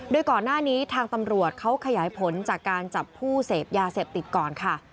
โดยก่อนหน้านี้ทางตำรวจเขาขยายผลจากการจับผู้เสพยาเสพติดก่อนค่ะ